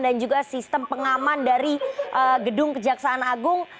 dan juga sistem pengaman dari gedung kejaksaan agung